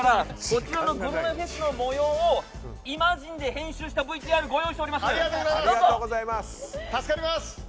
こちらのグルメフェスの模様をイマジカで編集したＶＴＲご用意しています。